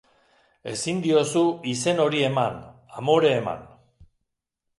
Ezin diozu izen hori eman, amore eman.